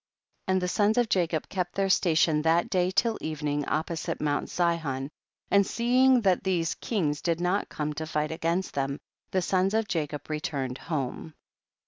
25. And the sons of Jacob kept their station that day till evening op posite mount Sihon, and seeing that these kings did not come to fight against them, the sons of Jacob re turned home.